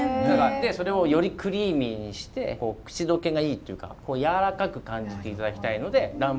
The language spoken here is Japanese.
でそれをよりクリーミーにして口溶けがいいっていうかこうやわらかく感じて頂きたいので卵白の膜を作ったんです。